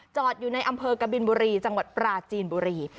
จอดอยู่ในอำเภอกบินบุรีจังหวัดปราจีนบุรี